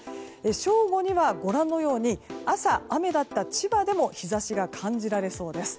正午にはご覧のように朝は雨だった千葉でも日差しが感じられそうです。